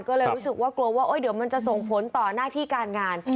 ก็เลยรู้สึกว่ากลัวว่าเดี๋ยวมันจะส่งผลต่อหน้าที่การงาน